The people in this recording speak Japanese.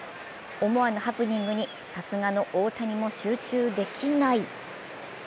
思わぬハプニングにさすがの大谷も集中できない。